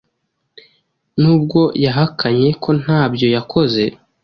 n’ubwo yahakanye ko nta byo yakoze